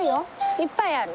いっぱいある。